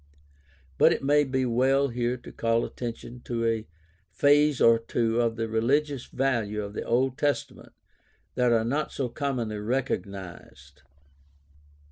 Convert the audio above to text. But it may be well here to call attention to a phase or two of the religious value of the Old Testament that are not so commonly recog nized.